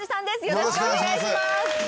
よろしくお願いします。